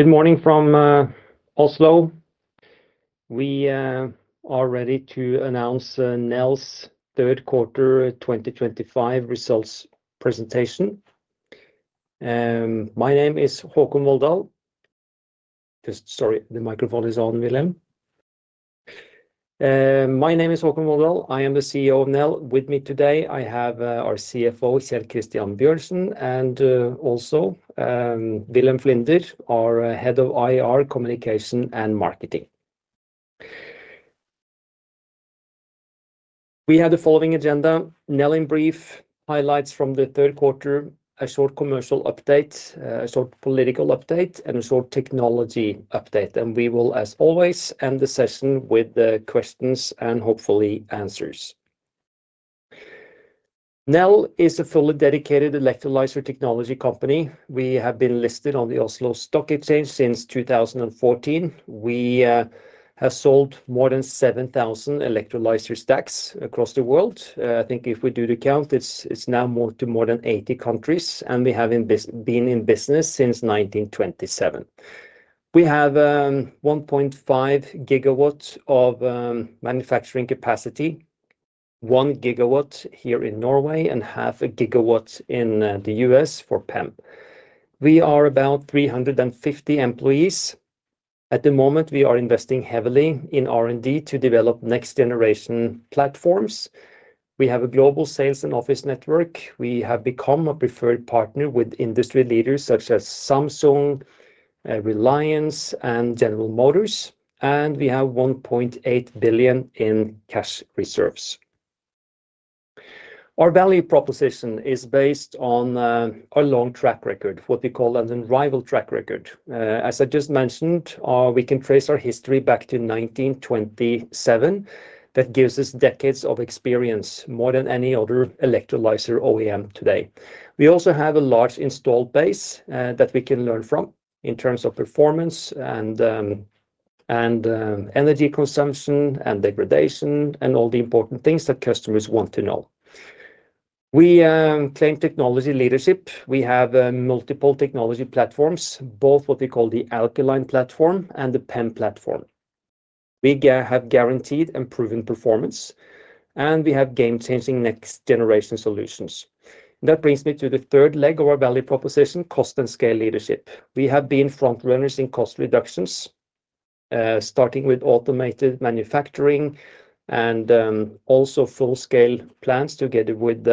Good morning from Oslo. We are ready to announce Nel's third quarter 2025 results presentation. My name is Håkon Volldal. My name is Håkon Volldal. I am the CEO of Nel. With me today, I have our CFO, Kjell Christian Bjørnsen, and also Vilhelm Flinder, our Head of IR, Communication and Marketing. We have the following agenda: Nel in brief, highlights from the third quarter, a short commercial update, a short political update, and a short technology update. We will, as always, end the session with the questions and hopefully answers. Nel is a fully dedicated electrolyser technology company. We have been listed on the Oslo Stock Exchange since 2014. We have sold more than 7,000 electrolyser stacks across the world. I think if we do the count, it's now more than 80 countries, and we have been in business since 1927. We have 1.5 GW of manufacturing capacity, 1 GW here in Norway, and 0.5 GW in the U.S. for PEM. We are about 350 employees. At the moment, we are investing heavily in R&D to develop next-generation platforms. We have a global sales and office network. We have become a preferred partner with industry leaders such as Samsung, Reliance, and General Motors. We have 1.8 billion in cash reserves. Our value proposition is based on a long track record, what we call an arrival track record. As I just mentioned, we can trace our history back to 1927. That gives us decades of experience, more than any other electrolyser OEM today. We also have a large installed base that we can learn from in terms of performance and energy consumption and degradation and all the important things that customers want to know. We claim technology leadership. We have multiple technology platforms, both what we call the alkaline platform and the PEM platform. We have guaranteed and proven performance, and we have game-changing next-generation solutions. That brings me to the third leg of our value proposition: cost and scale leadership. We have been front-runners in cost reductions, starting with automated manufacturing and also full-scale plants together with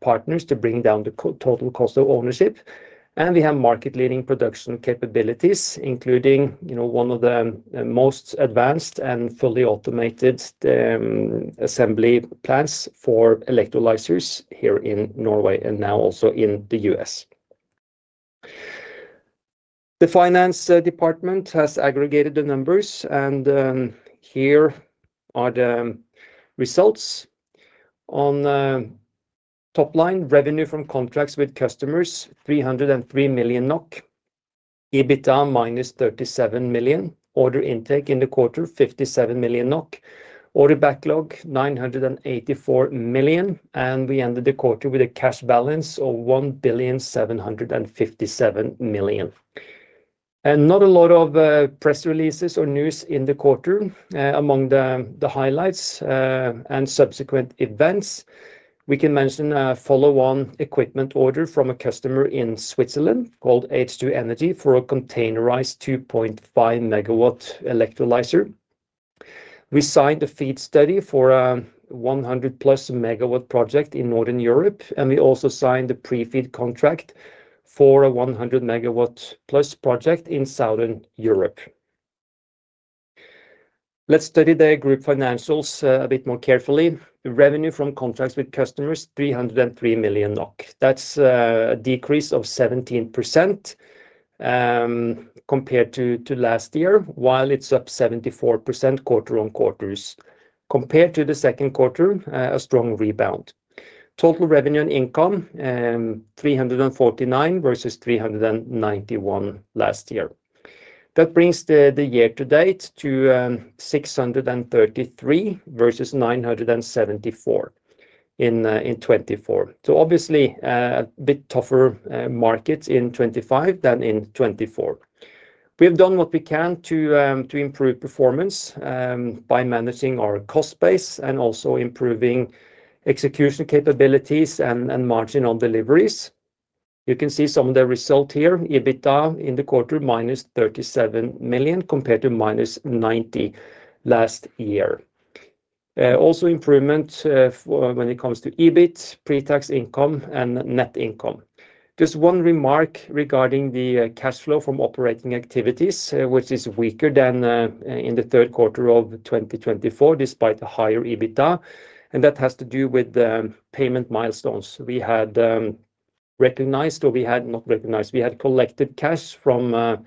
partners to bring down the total cost of ownership. We have market-leading production capabilities, including one of the most advanced and fully automated assembly plants for electrolysers here in Norway and now also in the U.S. The finance department has aggregated the numbers, and here are the results. On the top line, revenue from contracts with customers, 303 million NOK, EBITDA -37 million, order intake in the quarter, 57 million NOK, order backlog, 984 million, and we ended the quarter with a cash balance of 1,757 million. Not a lot of press releases or news in the quarter. Among the highlights and subsequent events, we can mention a follow-on equipment order from a customer in Switzerland called H2 Energy for a containerized 2.5 MW electrolyser. We signed a FEED study for a 100+ MW project in Northern Europe, and we also signed a pre-FEED contract for a 100+ MW project in Southern Europe. Let's study the group financials a bit more carefully. Revenue from contracts with customers, 303 million NOK. That's a decrease of 17% compared to last year, while it's up 74% quarter on quarter. Compared to the second quarter, a strong rebound. Total revenue and income, 349 million versus 391 million last year. That brings the year-to-date to 633 million versus 974 million in 2024. Obviously, a bit tougher markets in 2025 than in 2024. We've done what we can to improve performance by managing our cost base and also improving execution capabilities and marginal deliveries. You can see some of the results here. EBITDA in the quarter, -37 million compared to -90 million last year. Also, improvement when it comes to EBIT, pre-tax income, and net income. Just one remark regarding the cash flow from operating activities, which is weaker than in the third quarter of 2024, despite a higher EBITDA, and that has to do with the payment milestones. We had recognized, or we had not recognized, we had collected cash from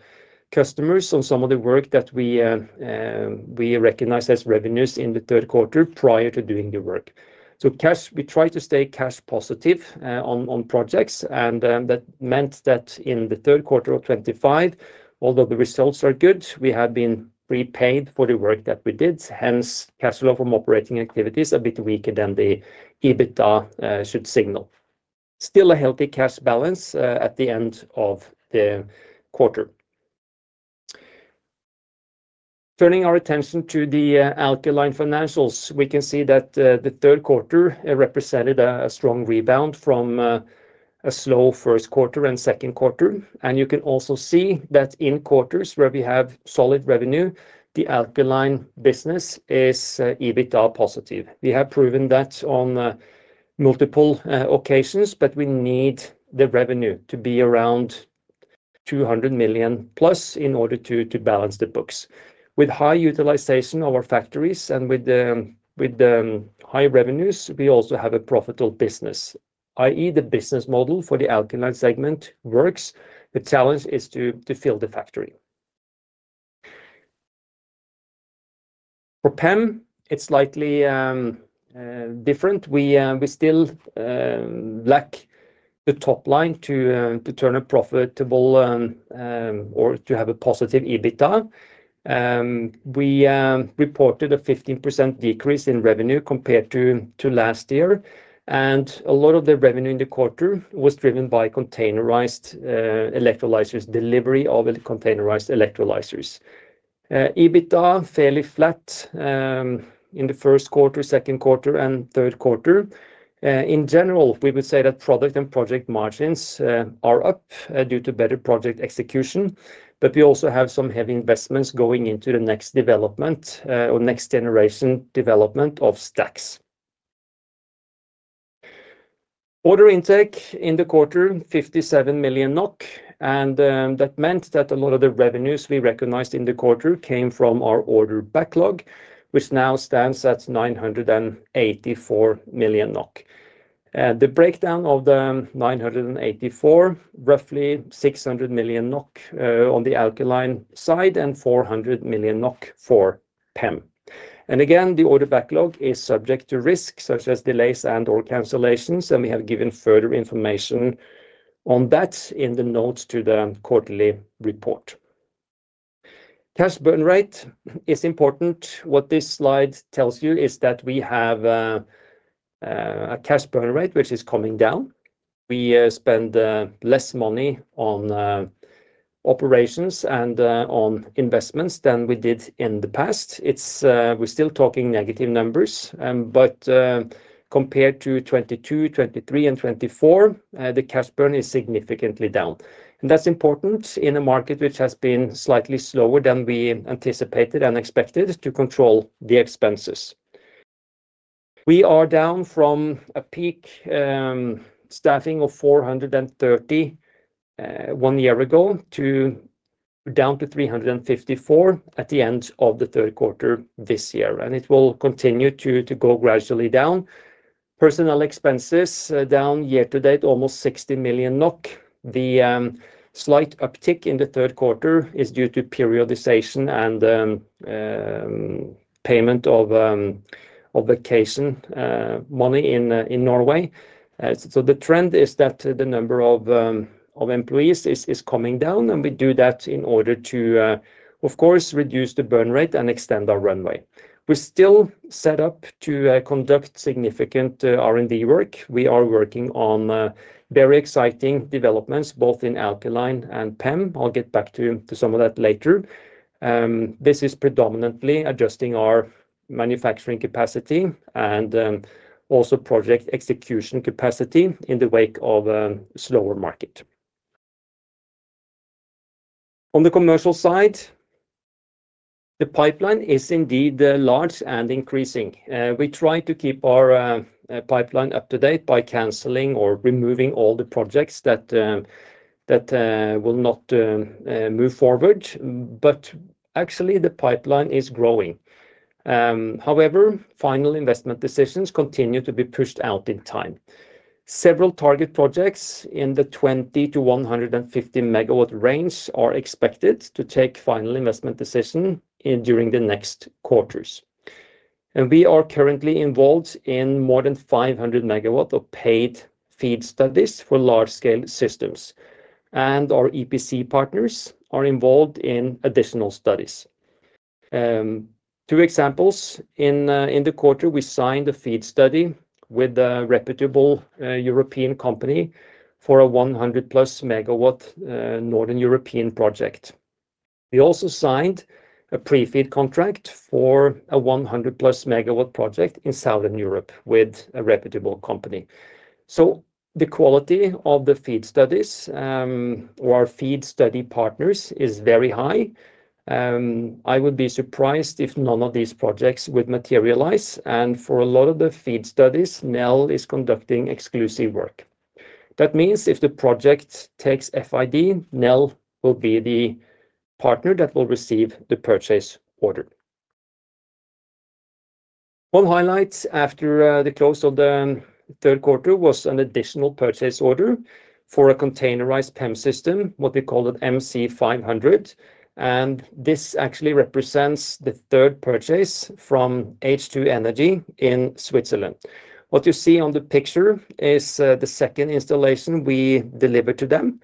customers on some of the work that we recognized as revenues in the third quarter prior to doing the work. We tried to stay cash positive on projects, and that meant that in the third quarter of 2025, although the results are good, we have been repaid for the work that we did. Hence, cash flow from operating activities is a bit weaker than the EBITDA should signal. Still a healthy cash balance at the end of the quarter. Turning our attention to the alkaline financials, we can see that the third quarter represented a strong rebound from a slow first quarter and second quarter. You can also see that in quarters where we have solid revenue, the alkaline business is EBITDA positive. We have proven that on multiple occasions, but we need the revenue to be around 200 million+ in order to balance the books. With high utilization of our factories and with the high revenues, we also have a profitable business. I.e., the business model for the alkaline segment works. The challenge is to fill the factory. For PEM, it's slightly different. We still lack the top line to turn a profitable or to have a positive EBITDA. We reported a 15% decrease in revenue compared to last year. A lot of the revenue in the quarter was driven by containerized electrolysers, delivery of containerized electrolysers. EBITDA fairly flat in the first quarter, second quarter, and third quarter. In general, we would say that product and project margins are up due to better project execution, but we also have some heavy investments going into the next development or next-generation development of stacks. Order intake in the quarter, 57 million NOK, and that meant that a lot of the revenues we recognized in the quarter came from our order backlog, which now stands at 984 million NOK. The breakdown of the 984 million, roughly 600 million NOK on the alkaline side and 400 million NOK for PEM. The order backlog is subject to risks such as delays and/or cancellations, and we have given further information on that in the notes to the quarterly report. Cash burn rate is important. What this slide tells you is that we have a cash burn rate which is coming down. We spend less money on operations and on investments than we did in the past. We're still talking negative numbers, but compared to 2022, 2023, and 2024, the cash burn is significantly down. That is important in a market which has been slightly slower than we anticipated and expected to control the expenses. We are down from a peak staffing of 430 one year ago to down to 354 at the end of the third quarter this year, and it will continue to go gradually down. Personnel expenses down year-to-date almost 60 million NOK. The slight uptick in the third quarter is due to periodization and payment of vacation money in Norway. The trend is that the number of employees is coming down, and we do that in order to, of course, reduce the burn rate and extend our runway. We're still set up to conduct significant R&D work. We are working on very exciting developments both in alkaline and PEM. I'll get back to some of that later. This is predominantly adjusting our manufacturing capacity and also project execution capacity in the wake of a slower market. On the commercial side, the pipeline is indeed large and increasing. We try to keep our pipeline up to date by canceling or removing all the projects that will not move forward, but actually, the pipeline is growing. However, final investment decisions continue to be pushed out in time. Several target projects in the 20 MW-150 MW range are expected to take final investment decisions during the next quarters. We are currently involved in more than 500 MW of paid FEED studies for large-scale systems, and our EPC partners are involved in additional studies. Two examples in the quarter: we signed a FEED study with a reputable European company for a 100+ MW Northern European project. We also signed a pre-FEED contract for a 100+ MW project in Southern Europe with a reputable company. The quality of the FEED studies or our FEED study partners is very high. I would be surprised if none of these projects would materialize. For a lot of the FEED studies, Nel is conducting exclusive work. That means if the project takes FID, Nel will be the partner that will receive the purchase order. One highlight after the close of the third quarter was an additional purchase order for a containerized PEM system, what we call it MC500. This actually represents the third purchase from H2 Energy in Switzerland. What you see on the picture is the second installation we delivered to them.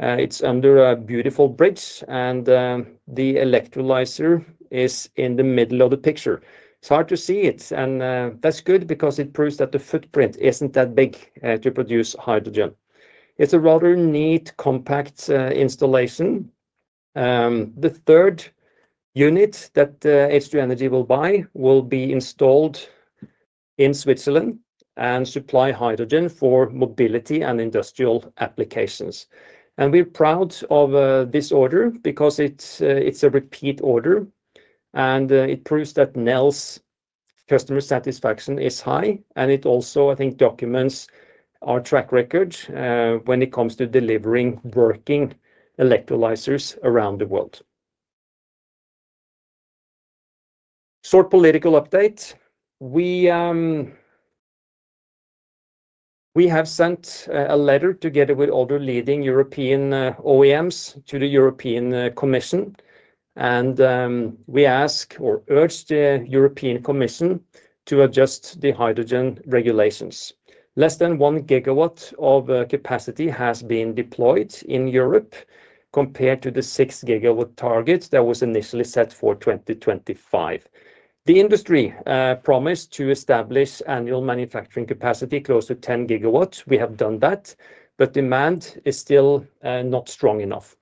It's under a beautiful bridge, and the electrolyser is in the middle of the picture. It's hard to see it, and that's good because it proves that the footprint isn't that big to produce hydrogen. It's a rather neat, compact installation. The third unit that H2 Energy will buy will be installed in Switzerland and supply hydrogen for mobility and industrial applications. We're proud of this order because it's a repeat order, and it proves that Nel's customer satisfaction is high. It also, I think, documents our track record when it comes to delivering working electrolysers around the world. Short political update. We have sent a letter together with other leading European OEMs to the European Commission, and we ask or urge the European Commission to adjust the hydrogen regulations. Less than 1 GW of capacity has been deployed in Europe compared to the 6 GW target that was initially set for 2025. The industry promised to establish annual manufacturing capacity close to 10 GW. We have done that, but demand is still not strong enough.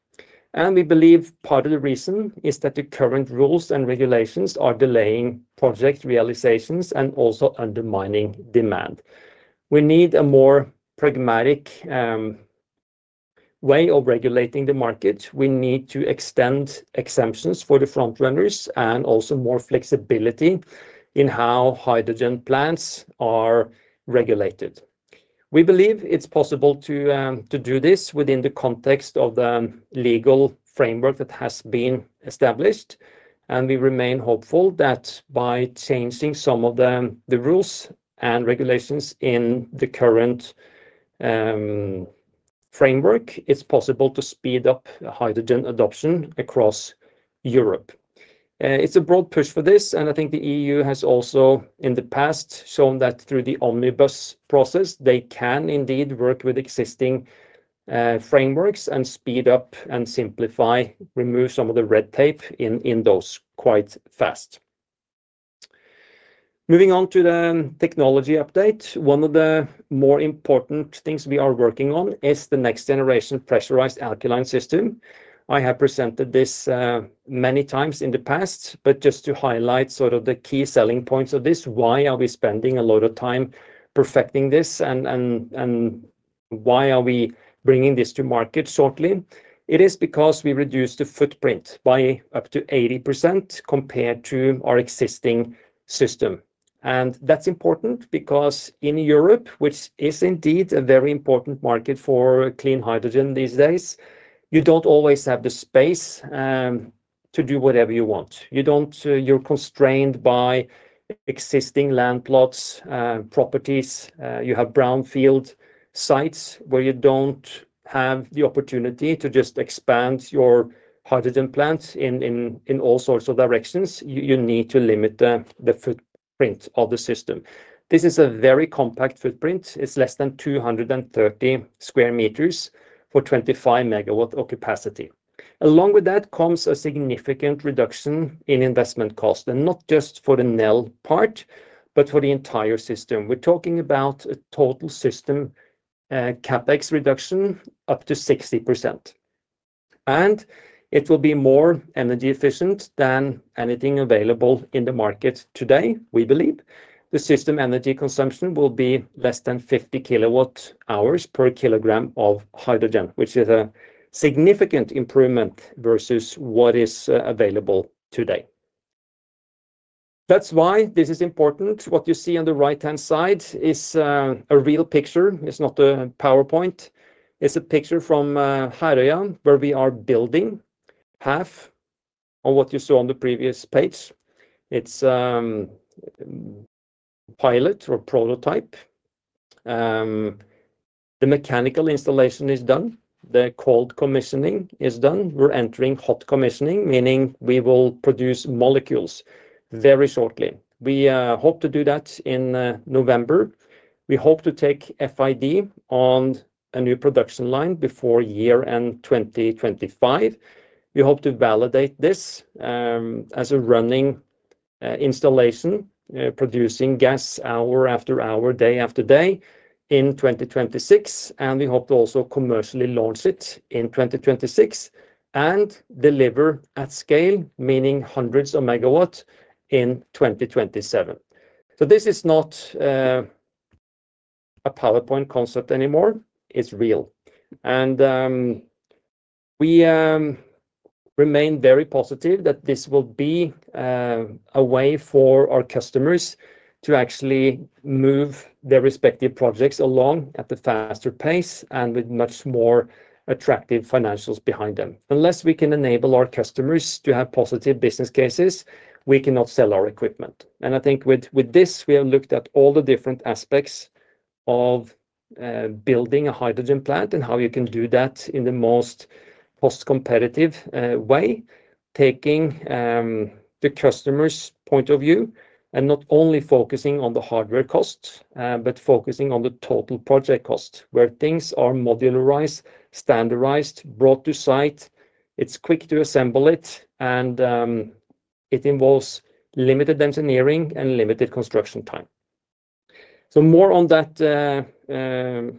We believe part of the reason is that the current rules and regulations are delaying project realizations and also undermining demand. We need a more pragmatic way of regulating the market. We need to extend exemptions for the front runners and also more flexibility in how hydrogen plants are regulated. We believe it's possible to do this within the context of the legal framework that has been established. We remain hopeful that by changing some of the rules and regulations in the current framework, it's possible to speed up hydrogen adoption across Europe. It's a broad push for this, and I think the E.U. has also, in the past, shown that through the omnibus process, they can indeed work with existing frameworks and speed up and simplify, remove some of the red tape in those quite fast. Moving on to the technology update, one of the more important things we are working on is the next-generation pressurized alkaline system. I have presented this many times in the past, but just to highlight sort of the key selling points of this, why are we spending a lot of time perfecting this and why are we bringing this to market shortly? It is because we reduce the footprint by up to 80% compared to our existing system. That's important because in Europe, which is indeed a very important market for clean hydrogen these days, you don't always have the space to do whatever you want. You're constrained by existing landlots and properties. You have brownfield sites where you don't have the opportunity to just expand your hydrogen plants in all sorts of directions. You need to limit the footprint of the system. This is a very compact footprint. It's less than 230 sq m for 25 MW of capacity. Along with that comes a significant reduction in investment cost, and not just for the Nel part, but for the entire system. We're talking about a total system CaPex reduction up to 60%. It will be more energy efficient than anything available in the market today, we believe. The system energy consumption will be less than 50 kWh/kg of hydrogen, which is a significant improvement versus what is available today. That's why this is important. What you see on the right-hand side is a real picture. It's not a PowerPoint. It's a picture from Herøya, where we are building half of what you saw on the previous page. It's a pilot or prototype. The mechanical installation is done. The cold commissioning is done. We're entering hot commissioning, meaning we will produce molecules very shortly. We hope to do that in November. We hope to take FID on a new production line before year end 2025. We hope to validate this as a running installation, producing gas hour after hour, day after day in 2026. We hope to also commercially launch it in 2026 and deliver at scale, meaning hundreds of megawatts in 2027. This is not a PowerPoint concept anymore. It's real. We remain very positive that this will be a way for our customers to actually move their respective projects along at a faster pace and with much more attractive financials behind them. Unless we can enable our customers to have positive business cases, we cannot sell our equipment. I think with this, we have looked at all the different aspects of building a hydrogen plant and how you can do that in the most cost-competitive way, taking the customer's point of view and not only focusing on the hardware cost, but focusing on the total project cost where things are modularized, standardized, brought to site. It's quick to assemble it, and it involves limited engineering and limited construction time. More on that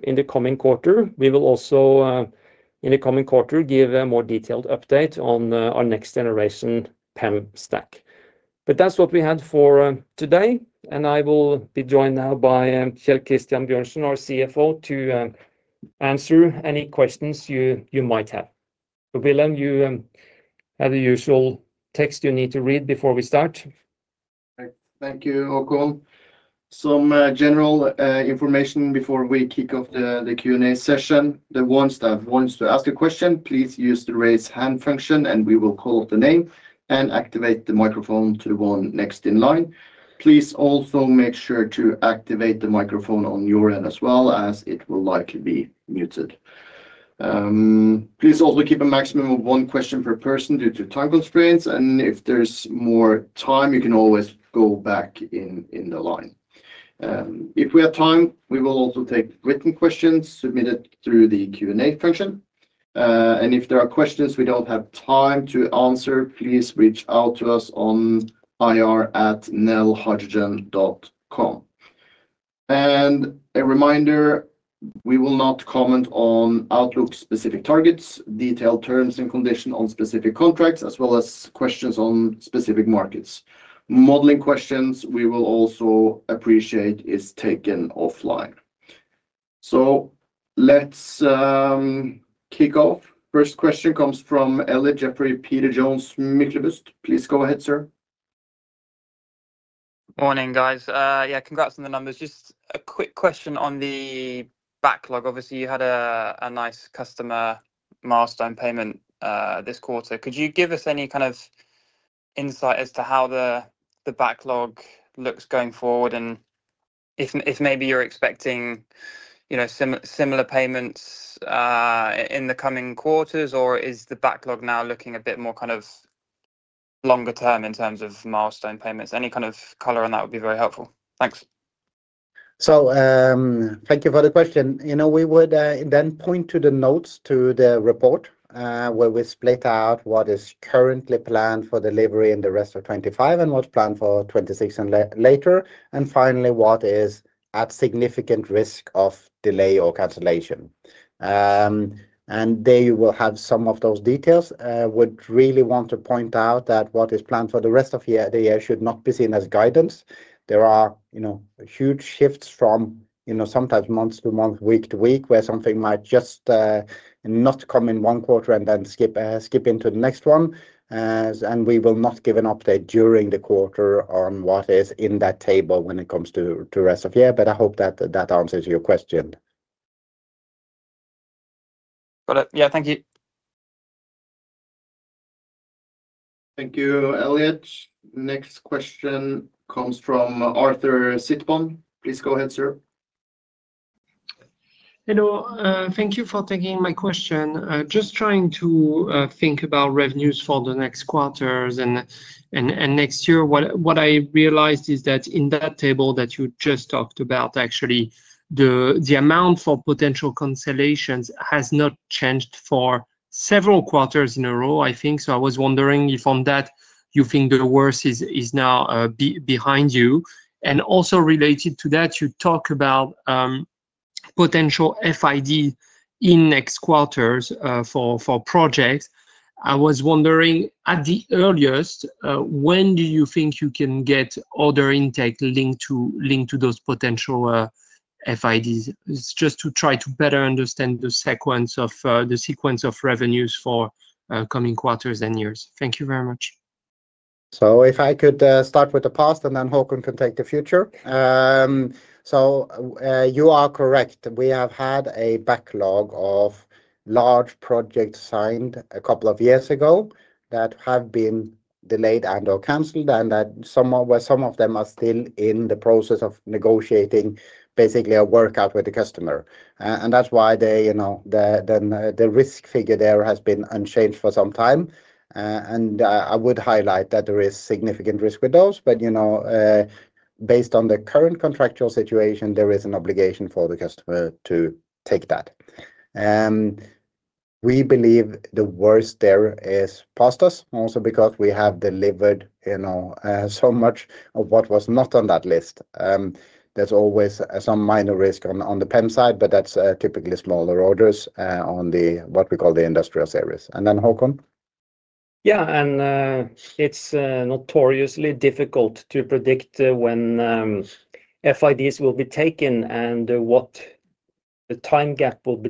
in the coming quarter. We will also, in the coming quarter, give a more detailed update on our next-generation PEM stack. That's what we had for today. I will be joined now by Kjell Christian Bjørnsen, our CFO, to answer any questions you might have. Vilhelm, you have the usual text you need to read before we start. Thank you, Håkon. Some general information before we kick off the Q&A session. The ones that want to ask a question, please use the raise hand function, and we will call up the name and activate the microphone to the one next in line. Please also make sure to activate the microphone on your end as well, as it will likely be muted. Please also keep a maximum of one question per person due to time constraints. If there's more time, you can always go back in the line. If we have time, we will also take written questions submitted through the Q&A function. If there are questions we don't have time to answer, please reach out to us on ir@nelhydrogen.com. A reminder, we will not comment on outlook-specific targets, detailed terms and conditions on specific contracts, as well as questions on specific markets. Modeling questions we will also appreciate are taken offline. Let's kick off. First question comes from Elliott Geoffrey Peter Jones. Please go ahead, sir. Morning guys. Yeah, congrats on the numbers. Just a quick question on the backlog. Obviously, you had a nice customer milestone payment this quarter. Could you give us any kind of insight as to how the backlog looks going forward, and if maybe you're expecting, you know, similar payments in the coming quarters, or is the backlog now looking a bit more kind of longer term in terms of milestone payments? Any kind of color on that would be very helpful. Thanks. Thank you for the question. You know, we would then point to the notes to the report where we split out what is currently planned for delivery in the rest of 2025 and what's planned for 2026 and later. Finally, what is at significant risk of delay or cancellation. There you will have some of those details. I would really want to point out that what is planned for the rest of the year should not be seen as guidance. There are huge shifts from, you know, sometimes month to month, week to week, where something might just not come in one quarter and then skip into the next one. We will not give an update during the quarter on what is in that table when it comes to the rest of the year. I hope that answers your question. Got it. Yeah, thank you. Thank you, Elliott. Next question comes from Arthur Sitbon. Please go ahead, sir. Hello. Thank you for taking my question. Just trying to think about revenues for the next quarters and next year. What I realized is that in that table that you just talked about, actually, the amount for potential cancellations has not changed for several quarters in a row, I think. I was wondering if on that you think the worst is now behind you. Also related to that, you talk about potential FID in next quarters for projects. I was wondering, at the earliest, when do you think you can get order intake linked to those potential FIDs? It's just to try to better understand the sequence of revenues for coming quarters and years. Thank you very much. If I could start with the past and then Håkon can take the future. You are correct. We have had a backlog of large projects signed a couple of years ago that have been delayed and/or canceled, and some of them are still in the process of negotiating basically a workout with the customer. That is why the risk figure there has been unchanged for some time. I would highlight that there is significant risk with those. Based on the current contractual situation, there is an obligation for the customer to take that. We believe the worst there is past us, also because we have delivered so much of what was not on that list. There is always some minor risk on the PEM side, but that is typically smaller orders on what we call the industrial series. Håkon? Yeah. It is notoriously difficult to predict when FIDs will be taken and what the time gap will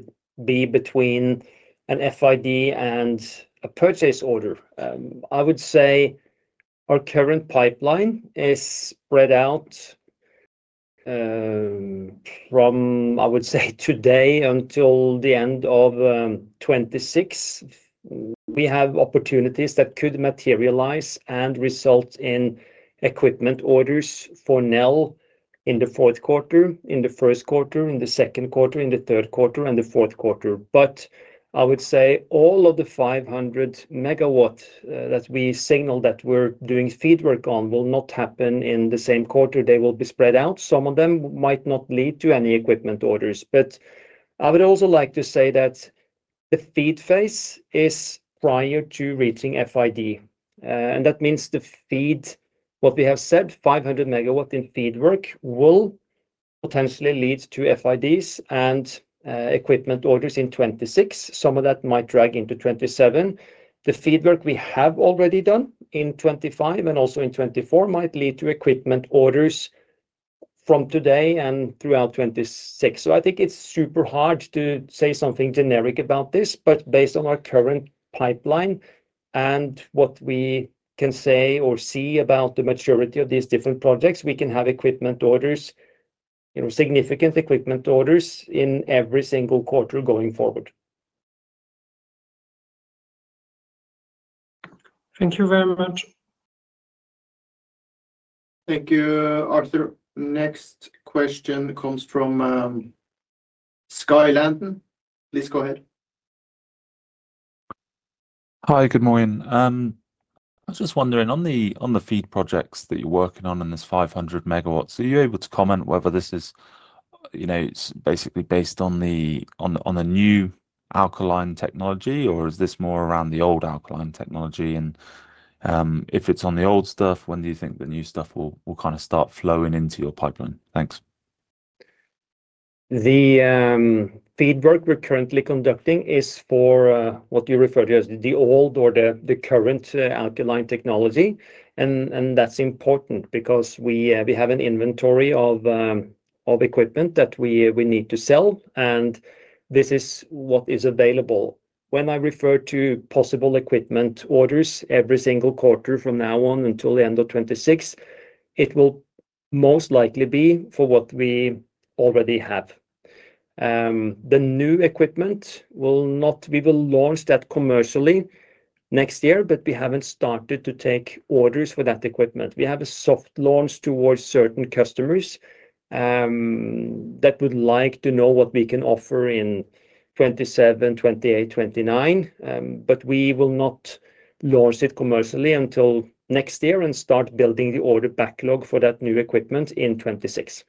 be between an FID and a purchase order. I would say our current pipeline is spread out from today until the end of 2026. We have opportunities that could materialize and result in equipment orders for Nel in the fourth quarter, in the first quarter, in the second quarter, in the third quarter, and the fourth quarter. All of the 500 MW that we signal that we are doing feedwork on will not happen in the same quarter. They will be spread out. Some of them might not lead to any equipment orders. I would also like to say that the feed phase is prior to reaching FID. That means the feed, what we have said, 500 MW in feedwork will potentially lead to FIDs and equipment orders in 2026. Some of that might drag into 2027. The feedwork we have already done in 2025 and also in 2024 might lead to equipment orders from today and throughout 2026. I think it is super hard to say something generic about this, but based on our current pipeline and what we can say or see about the maturity of these different projects, we can have equipment orders, significant equipment orders in every single quarter going forward. Thank you very much. Thank you, Arthur. Next question comes from Skye Landon. Please go ahead. Hi, good morning. I was just wondering, on the FEED projects that you're working on in this 500 MW, are you able to comment whether this is, you know, it's basically based on the new alkaline technology, or is this more around the old alkaline technology? If it's on the old stuff, when do you think the new stuff will kind of start flowing into your pipeline? Thanks. The FEED work we're currently conducting is for what you refer to as the old or the current alkaline technology. That's important because we have an inventory of equipment that we need to sell, and this is what is available. When I refer to possible equipment orders every single quarter from now on until the end of 2026, it will most likely be for what we already have. The new equipment will not, we will launch that commercially next year, but we haven't started to take orders for that equipment. We have a soft launch towards certain customers that would like to know what we can offer in 2027, 2028, 2029, but we will not launch it commercially until next year and start building the order backlog for that new equipment in 2026.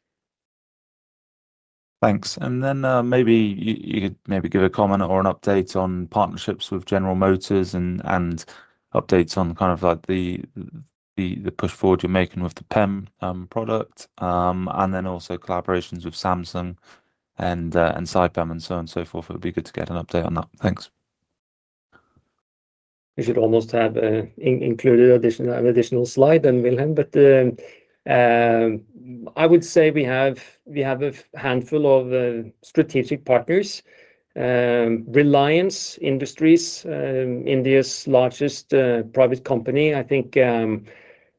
Thanks. Maybe you could give a comment or an update on partnerships with General Motors and updates on kind of like the push forward you're making with the PEM product, and also collaborations with Samsung and Saipem and so on and so forth. It would be good to get an update on that. Thanks. We should almost have included an additional slide then, Vilhelm. I would say we have a handful of strategic partners. Reliance Industries, India's largest private company, I think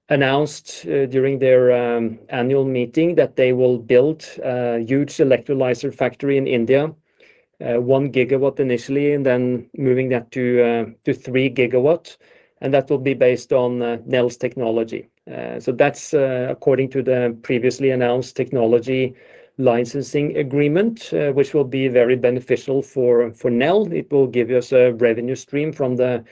announced during their annual meeting that they will build a huge electrolyser factory in India, 1 GW initially, and then moving that to 3 GW. That will be based on Nel's technology. That's according to the previously announced technology licensing agreement, which will be very beneficial for Nel. It will give us a revenue stream from the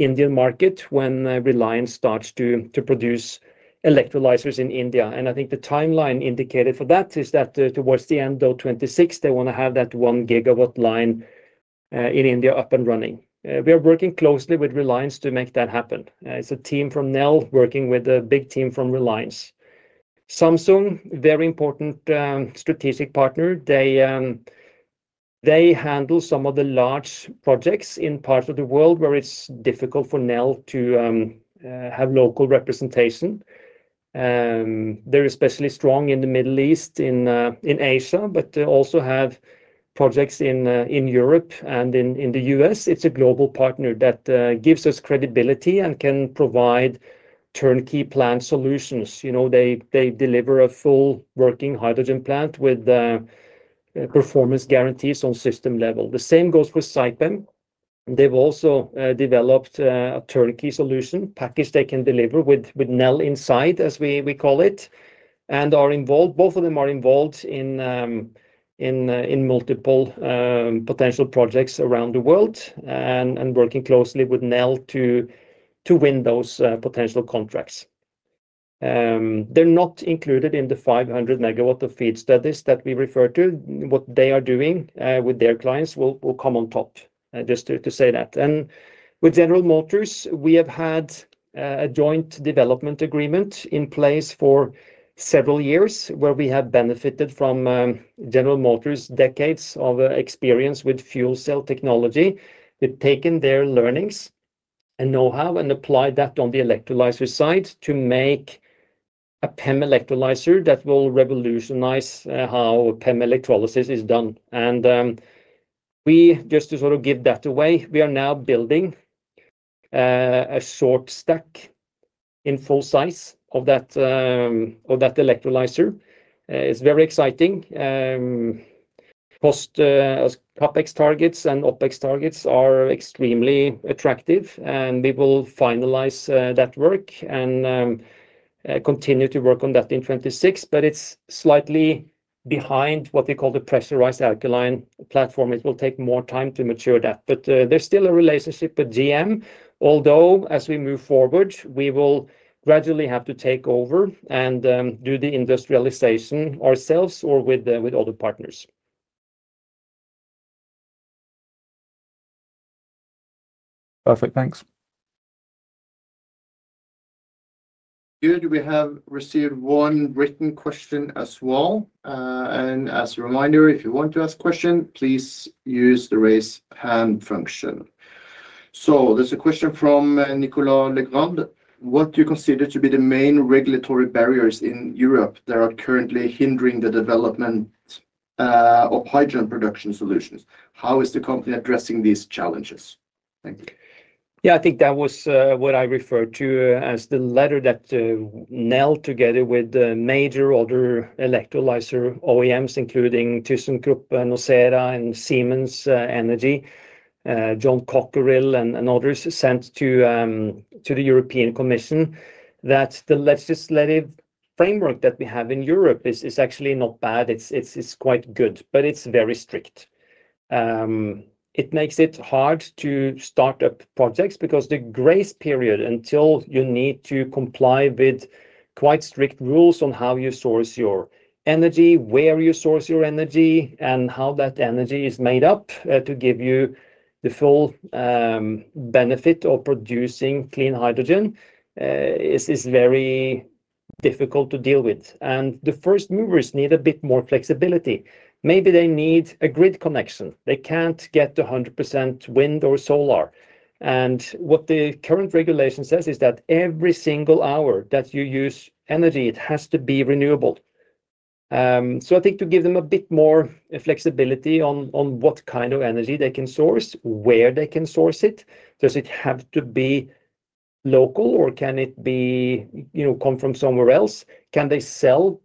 Indian market when Reliance starts to produce electrolysers in India. I think the timeline indicated for that is that towards the end of 2026, they want to have that 1 GW line in India up and running. We are working closely with Reliance to make that happen. It's a team from Nel working with a big team from Reliance. Samsung, a very important strategic partner, handles some of the large projects in parts of the world where it's difficult for Nel to have local representation. They're especially strong in the Middle East, in Asia, but also have projects in Europe and in the U.S. It's a global partner that gives us credibility and can provide turnkey plant solutions. They deliver a full working hydrogen plant with performance guarantees on system level. The same goes for Saipem. They've also developed a turnkey solution package they can deliver with Nel inside, as we call it, and are involved. Both of them are involved in multiple potential projects around the world and working closely with Nel to win those potential contracts. They're not included in the 500 MW of FEED studies that we refer to. What they are doing with their clients will come on top, just to say that. With General Motors, we have had a joint development agreement in place for several years where we have benefited from General Motors' decades of experience with fuel cell technology. We've taken their learnings and know-how and applied that on the electrolyser side to make a PEM electrolyser that will revolutionize how PEM electrolysis is done. Just to sort of give that away, we are now building a short stack in full size of that electrolyser. It's very exciting. Cost CaPex targets and OpEx targets are extremely attractive, and we will finalize that work and continue to work on that in 2026. It's slightly behind what we call the pressurized alkaline platform. It will take more time to mature that. There's still a relationship with GM. Although as we move forward, we will gradually have to take over and do the industrialization ourselves or with other partners. Perfect. Thanks. Good. We have received one written question as well. As a reminder, if you want to ask a question, please use the raise hand function. There's a question from Nicholas Legrand. What do you consider to be the main regulatory barriers in Europe that are currently hindering the development of hydrogen production solutions? How is the company addressing these challenges? Thank you. Yeah. I think that was what I referred to as the letter that Nel, together with the major other electrolyser OEMs, including thyssenkrupp nucera, Siemens Energy, John Cockerill, and others, sent to the European Commission. The legislative framework that we have in Europe is actually not bad. It's quite good, but it's very strict. It makes it hard to start up projects because the grace period until you need to comply with quite strict rules on how you source your energy, where you source your energy, and how that energy is made up to give you the full benefit of producing clean hydrogen is very difficult to deal with. The first movers need a bit more flexibility. Maybe they need a grid connection. They can't get to 100% wind or solar. What the current regulation says is that every single hour that you use energy, it has to be renewable. I think to give them a bit more flexibility on what kind of energy they can source, where they can source it, does it have to be local, or can it come from somewhere else? Can they sell a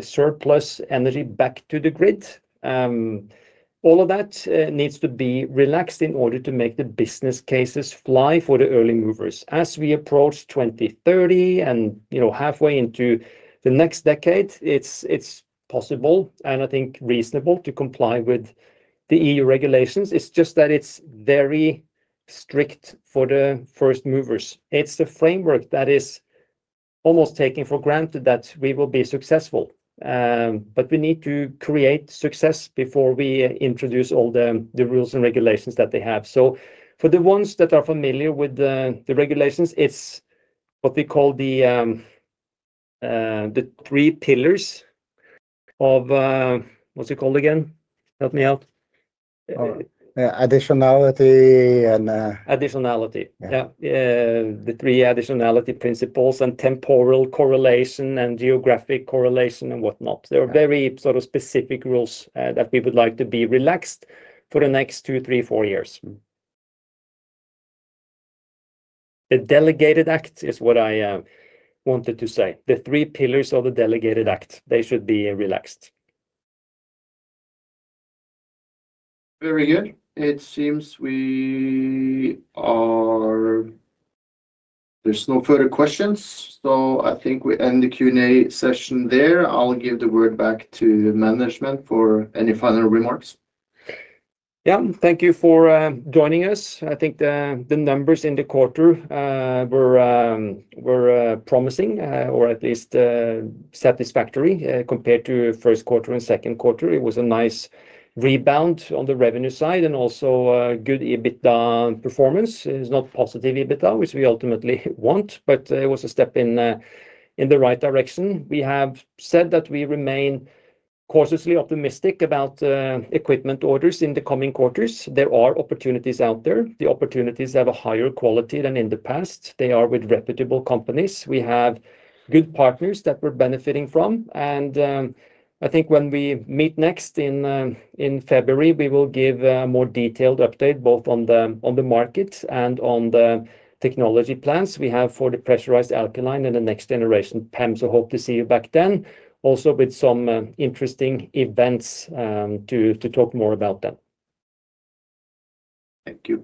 surplus energy back to the grid? All of that needs to be relaxed in order to make the business cases fly for the early movers. As we approach 2030 and halfway into the next decade, it's possible and I think reasonable to comply with the E.U. regulations. It's just that it's very strict for the first movers. It's the framework that is almost taken for granted that we will be successful. We need to create success before we introduce all the rules and regulations that they have. For the ones that are familiar with the regulations, it's what we call the three pillars of what's it called again? Help me out. Additionality and. Additionality. Yeah. The three additionality principles and temporal correlation and geographic correlation and whatnot. There are very sort of specific rules that we would like to be relaxed for the next two, three, four years. The delegated act is what I wanted to say. The three pillars of the delegated act, they should be relaxed. Very good. It seems we are, there's no further questions. I think we end the Q&A session there. I'll give the word back to management for any final remarks. Yeah. Thank you for joining us. I think the numbers in the quarter were promising, or at least satisfactory compared to first quarter and second quarter. It was a nice rebound on the revenue side and also good EBITDA performance. It's not positive EBITDA, which we ultimately want, but it was a step in the right direction. We have said that we remain cautiously optimistic about equipment orders in the coming quarters. There are opportunities out there. The opportunities have a higher quality than in the past. They are with reputable companies. We have good partners that we're benefiting from. I think when we meet next in February, we will give a more detailed update both on the market and on the technology plans we have for the pressurized alkaline and the next-generation PEM. I hope to see you back then, also with some interesting events to talk more about then. Thank you.